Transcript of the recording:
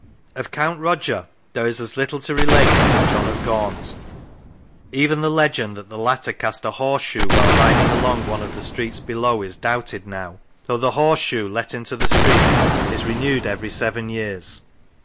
Of Count Roger there is as little to relate as of John of Gaunt : even the legend that the latter cast a horseshoe while riding along one of the streets below is doubted now, though the horse shoe let into the street is renewed every seven years.